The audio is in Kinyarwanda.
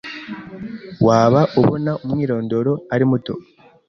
waba ubona umwirondoro ari muto